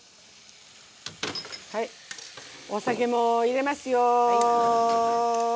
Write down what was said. はいお酒も入れますよ。